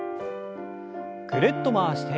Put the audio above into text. ぐるっと回して。